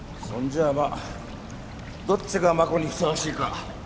そんじゃあまあどっちが真子にふさわしいか